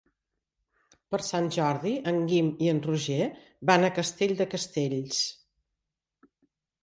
Per Sant Jordi en Guim i en Roger van a Castell de Castells.